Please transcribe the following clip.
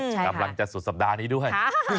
กำลังจะสุดสัปดาห์นี้ด้วย